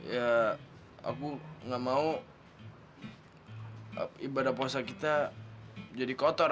ya aku gak mau ibadah puasa kita jadi kotor